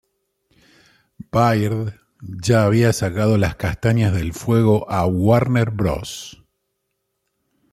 Baird ya había sacado las castañas del fuego a Warner Bros.